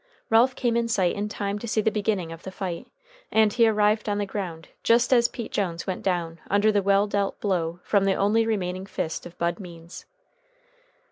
Ralph came in sight in time to see the beginning of the fight, and he arrived on the ground just as Pete Jones went down under the well dealt blow from the only remaining fist of Bud Means.